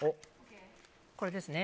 これですね。